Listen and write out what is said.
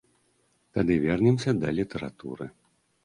Тады вернемся да літаратуры.